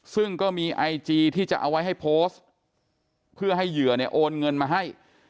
ซึ่งก็มีไอจีที่จะเอาไว้ให้โพสต์เพื่อให้เหยื่อเนี่ยโอนเงินมาให้